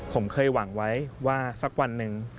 ผมเคยหวังไว้ว่าสักวันหนึ่ง